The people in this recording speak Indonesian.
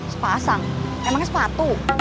sepasang emangnya sepatu